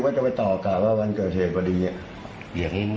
ได้รถกลับไปก่อน